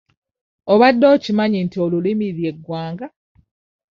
Obadde okimanyi nti olulimi lye ggwanga?